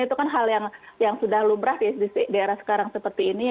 itu kan hal yang sudah lumrah di era sekarang seperti ini